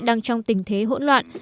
đang trong tình thế hỗn loạn